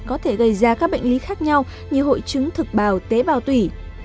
có thể gây ra các bệnh lý khác nhau như hội chứng thực bào tế bào tủy